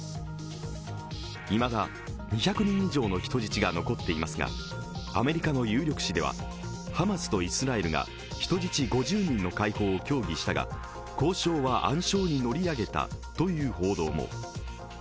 いまだ２００人以上の人質が残っていますが、アメリカの有力紙は、ハマスとイスラエルが人質５０人の解放を協議したが交渉は暗礁に乗り上げたという報道も。